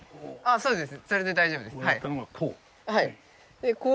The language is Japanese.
そうですね。